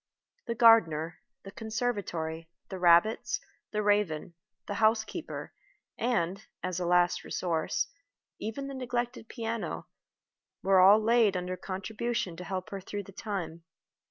The gardener, the conservatory, the rabbits, the raven, the housekeeper, and, as a last resource, even the neglected piano, were all laid under contribution to help her through the time.